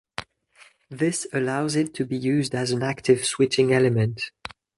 This allows it to be used as an active switching element.